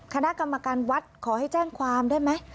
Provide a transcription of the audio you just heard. คณะกรรมการวัดขอให้แจ้งความได้ไหม